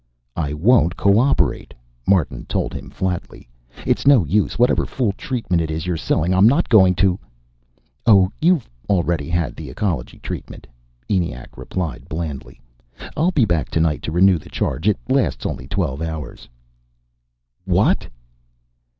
"I won't cooperate," Martin told him flatly. "It's no use. Whatever fool treatment it is you're selling, I'm not going to " "Oh, you've already had the ecology treatment," ENIAC replied blandly. "I'll be back tonight to renew the charge. It lasts only twelve hours." "_What!